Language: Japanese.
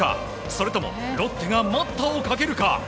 それともロッテが待ったをかけるか。